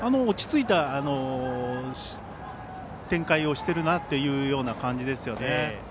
落ち着いた展開しているなという感じですよね。